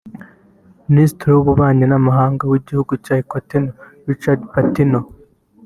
Minisitiri w’ububanyi n’amahanga w’igihugu cya Equateur Ricardo Patiño